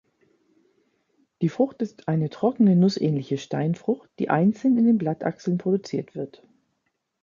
Die Frucht ist eine trockene, nussähnliche Steinfrucht, die einzeln in den Blattachseln produziert wird.